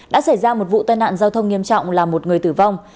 đã xảy ra một vụ tai nạn giao thông nghiêm trọng làm một người tử vong